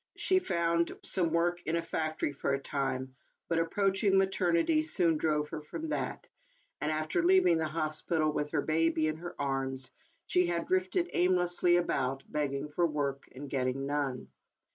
She found some work in a factory for a time, but approaching maternity soon drove her from that ; and, after leaving the hospital, with her baby in her arms, she had drifted aimlessly about, begging for work, and getting none.